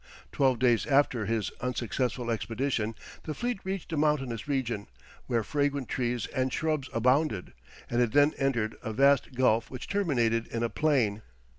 Twelve days after this unsuccessful expedition, the fleet reached a mountainous region, where fragrant trees and shrubs abounded, and it then entered a vast gulf which terminated in a plain.